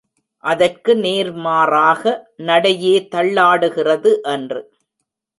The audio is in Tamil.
அதற்கு நேர்மாறாக, நடையே தள்ளாடுகிறது! என்று.